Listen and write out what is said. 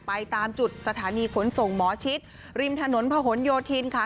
ตามจุดสถานีขนส่งหมอชิดริมถนนพะหนโยธินค่ะ